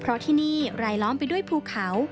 เพราะที่นี่รายล้อมไปด้วยภูเขา